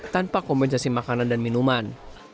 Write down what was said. tanpa kompensasi makanan dan minuman